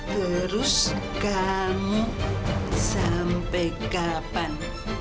terus kamu sampai kapan